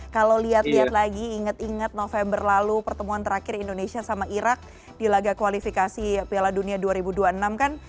kalau lihat lihat lagi ingat ingat november lalu pertemuan terakhir indonesia sama irak di laga kualifikasi piala dunia dua ribu dua puluh enam kan